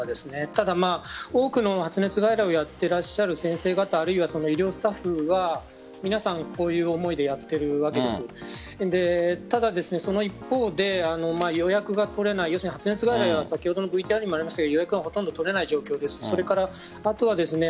ただ多くの発熱外来をやっていらっしゃる先生方あるいはその医療スタッフが皆さん、こういう思いでやっているわけですただ、その一方で予約が取れない要するに発熱外来先ほどのＶＴＲにもありましたようにほとんど取れない状況です。